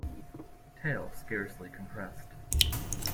Tail scarcely compressed.